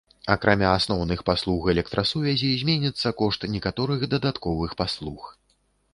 Акрамя асноўных паслуг электрасувязі, зменіцца кошт некаторых дадатковых паслуг.